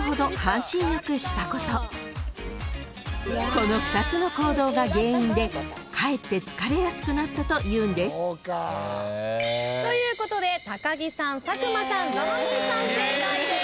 ［この２つの行動が原因でかえって疲れやすくなったというんです］ということで木さん佐久間さんザ・マミィさん正解です。